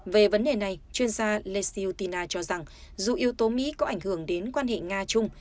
về vấn đề này chuyên gia leeutina cho rằng dù yếu tố mỹ có ảnh hưởng đến quan hệ nga chung